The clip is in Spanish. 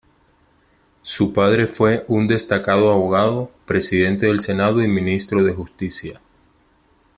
Su padre fue un destacado abogado, Presidente del Senado y Ministro de Justicia.